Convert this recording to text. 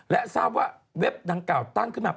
และทราบว่าเว็บดังกล่าวตั้งขึ้นมา